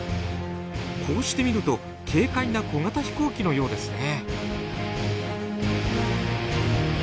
こうして見ると軽快な小型飛行機のようですね。